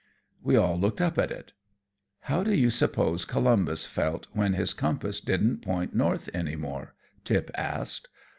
We all looked up at it. "How do you suppose Columbus felt when his compass didn't point north any more?" Tip asked.